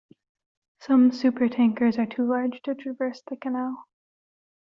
Some supertankers are too large to traverse the canal.